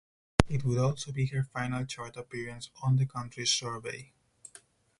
It would also be her final chart appearance on the country survey.